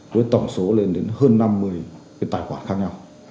với tổng số lên đến hơn năm mươi cái tài khoản khác nhau